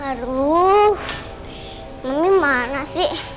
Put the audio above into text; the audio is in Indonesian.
aduh ini mana sih